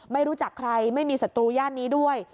ไม่รู้จักใครไม่มีศัตรูย่านนี้ด้วย